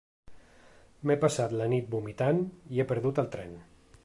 M'he passat la nit vomitant i he perdut el tren.